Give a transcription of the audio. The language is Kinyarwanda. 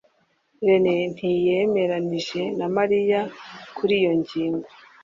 rene ntiyemeranije na mariya kuri iyo ngingo